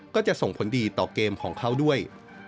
ก็จะส่งผลดีต่อเกมของเขาด้วย